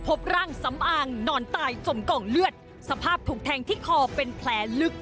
พบร่างสำอางนอนตายจมกองเลือดสภาพถูกแทงที่คอเป็นแผลลึก